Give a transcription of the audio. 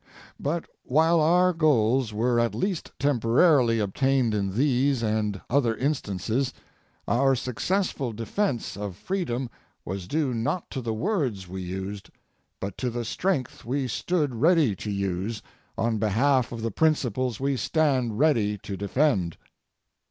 But while our goals were at least temporarily obtained in these and other instances, our successful defense of freedom was due not to the words we used, but to the strength we stood ready to use on behalf of the principles we stand ready to defend.